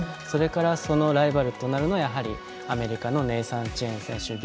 それからそのライバルとなるのはやはりアメリカのネイサン・チェン選手